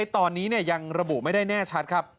ตอนนี้ยังระบุไม่ได้แน่ชัดครับ